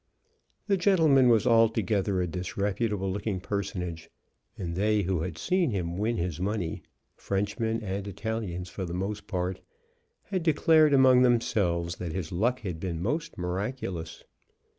The gentleman was altogether a disreputable looking personage, and they who had seen him win his money, Frenchmen and Italians for the most part, had declared among themselves that his luck had been most miraculous.